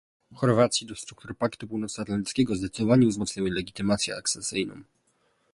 Chorwacji do struktur paktu północnoatlantyckiego zdecydowanie wzmocniło jej legitymację akcesyjną